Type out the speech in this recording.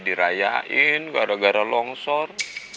dirayain gara gara longsor